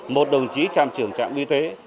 một đồng chí trạm trưởng trạm y tế